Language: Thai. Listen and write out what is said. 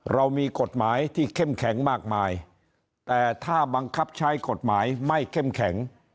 เรามีกฎหมายที่เข้มแข็งมากมายแต่ถ้าบังคับใช้กฎหมายไม่เข้มแข็ง